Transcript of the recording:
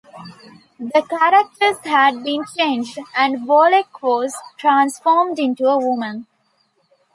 The characters had been changed, and Bolek was transformed into a woman.